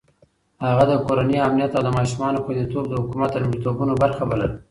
هغه د کورنۍ امنيت او د ماشومانو خونديتوب د حکومت د لومړيتوبونو برخه بلله.